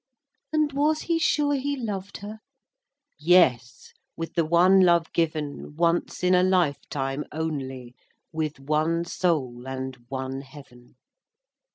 "And was he sure he loved her?" "Yes, with the one love given Once in a lifetime only, With one soul and one heaven!"